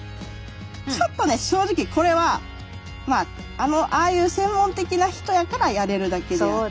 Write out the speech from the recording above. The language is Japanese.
ちょっとね正直これはまあああいう専門的な人やからやれるだけであって。